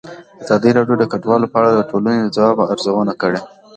ازادي راډیو د کډوال په اړه د ټولنې د ځواب ارزونه کړې.